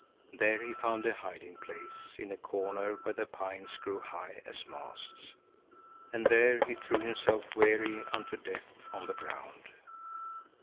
There he found a hiding place in a corner where the pines grew high as masts, and there he threw himself weary unto death on the ground.